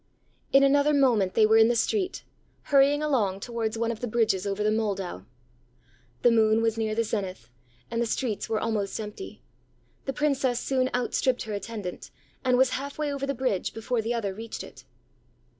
ã In another moment they were in the street, hurrying along towards one of the bridges over the Moldau. The moon was near the zenith, and the streets were almost empty. The Princess soon outstripped her attendant, and was half way over the bridge, before the other reached it.